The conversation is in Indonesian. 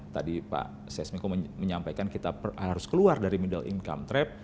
tadi pak sesmiko menyampaikan kita harus keluar dari middle income trap